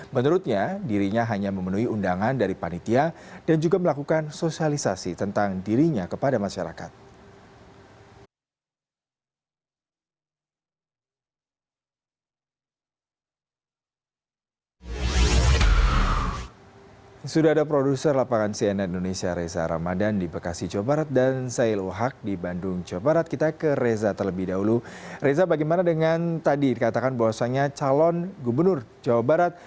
menurutnya dirinya hanya memenuhi undangan dari panitia dan juga melakukan sosialisasi tentang dirinya kepada masyarakat